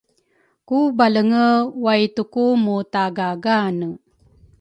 ku Balenge waituku mutaagaagane.